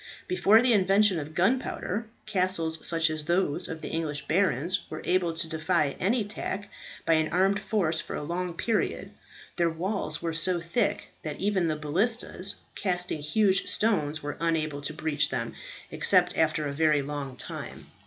Before the invention of gunpowder, castles such as those of the English barons were able to defy any attack by an armed force for a long period. Their walls were so thick that even the balistas, casting huge stones, were unable to breach them except after a very long time.